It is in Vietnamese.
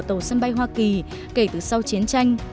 tàu sân bay hoa kỳ kể từ sau chiến tranh